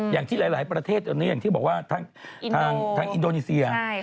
อย่างที่หลายประเทศตอนนี้อย่างที่บอกว่าทางอินโดนีเซีย